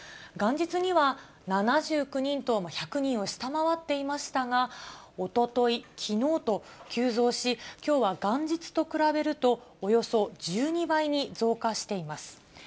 元日には７９人と、１００人を下回っていましたが、おととい、きのうと急増し、きょうは元日と比べると、およそ１２倍に増加しています。